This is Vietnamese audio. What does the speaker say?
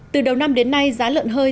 từ đầu năm đến nay giá lợn hơi